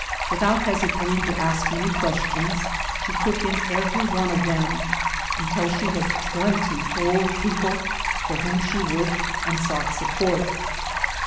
Without hesitating to ask many questions, she took in every one of them until she had twenty old people, for whom she worked and sought support.